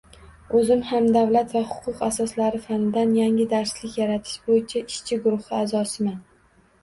Oʻzim ham Davlat va huquq asoslari fanidan yangi darslik yaratish boʻyicha ishchi guruhi aʼzosiman.